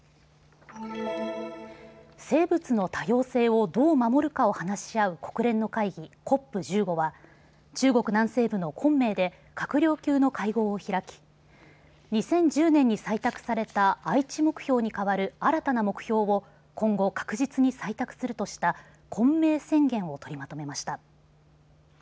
生物の多様性をどう守るかを話し合う国連の会議、ＣＯＰ１５は中国南西部の昆明で閣僚級の会合を開き、２０１０年に採択された愛知目標に代わる新たな目標を今後、確実に採択するとした昆明宣言を取りまとめました。